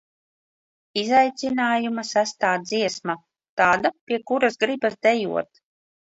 Izaicinājuma sestā dziesma – tāda, pie kuras gribas dejot.